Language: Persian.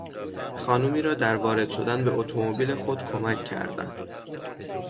خانمی را در وارد شدن به اتومبیل خود کمک کردن